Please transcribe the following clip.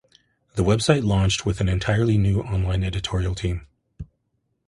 The website launched with an entirely new online editorial team.